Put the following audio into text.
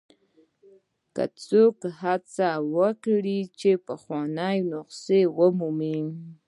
که څوک هڅه کوي چې پخوانۍ نسخې ومومي.